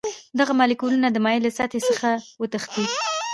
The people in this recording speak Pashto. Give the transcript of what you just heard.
دغه مالیکولونه د مایع له سطحې څخه وتښتي.